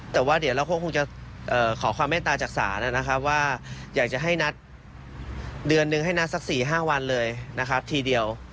แต่ว่าเดี๋ยวเราคงจะขอความเมตตาจากศาลนะครับว่าอยากจะให้นัดเดือนนึงให้นัดสัก๔๕วันเลยนะครับทีเดียว